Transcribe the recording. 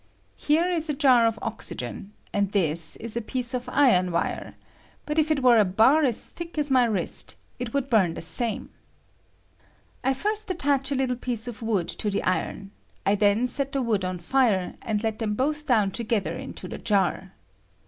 Here is a jar of oxygen, and this is a piece of iron wire ; but if it were a bar as thick as my wrist, it would burn the same, I first attach a little piece of wood to the iron ; I then set the wood on fire, and let them both I, J ^™ 1X6 IRON WIKS BUSNED EST OXTQEN". I down togetlier into the jar.